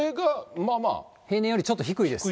平年よりちょっと低いです。